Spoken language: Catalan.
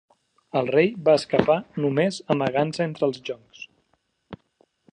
El rei va escapar només amagant-se entre els joncs.